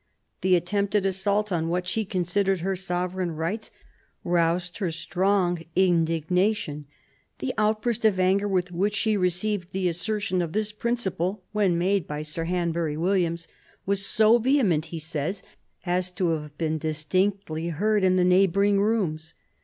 The attempted assault on what she considered her sovereign rights roused her strong indignation. The outburst of anger with which she received the assertion of this principle, when made by Sir Hanbury Williams, 100 MARIA THERESA chap, v was so vehement, he says, as to have been distinctly heard in the neighbouring rooms.